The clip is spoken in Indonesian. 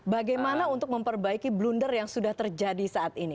bagaimana untuk memperbaiki blunder yang sudah terjadi saat ini